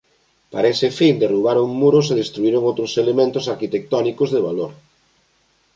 Para ese fin derrubaron muros e destruíron outros elementos arquitectónicos de valor.